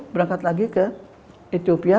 berangkat lagi ke ethiopia